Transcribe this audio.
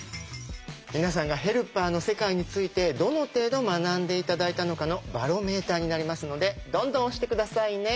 皆さんがヘルパーの世界についてどの程度学んで頂いたのかのバロメーターになりますのでどんどん押して下さいね。